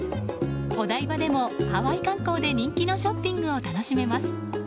お台場でもハワイ観光で人気のショッピングを楽しめます。